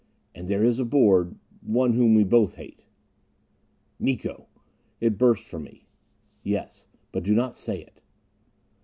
"And there is aboard one whom we both hate." "Miko!" It burst from me. "Yes. But do not say it."